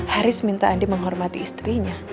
haris minta andi menghormati istrinya